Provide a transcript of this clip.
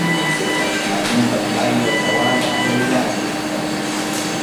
Maeneo mbalimbali ya utawala ya Wilaya ya Nyamagana